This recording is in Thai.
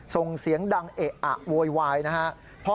ส่งเสียงดังเอะอะโวยวายนะครับ